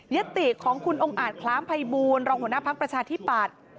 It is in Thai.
ยติของคุณองค์อ่านคล้ามไพบูนรองหัวหน้าภักร์ประชาธิปัศ